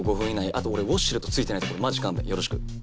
あと俺ウォシュレット付いてない所マジ勘弁よろしく。